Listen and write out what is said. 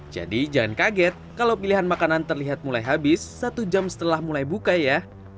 jadi jangan kaget kalau pilihan makanan terlihat mulai habis satu jam setelah mulai buka ya